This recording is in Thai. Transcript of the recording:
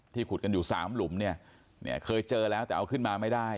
ขุดกันอยู่๓หลุมเนี่ยเคยเจอแล้วแต่เอาขึ้นมาไม่ได้